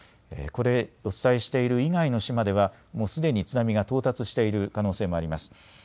お伝えしている以外の島ではもうすでに津波が到達している可能性もあります。